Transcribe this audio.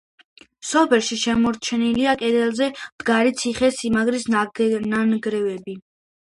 სოფელში შემორჩენილია კლდეზე მდგარი ციხე-სიმაგრის ნანგრევები.